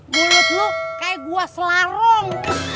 mulut lo kayak gue selarung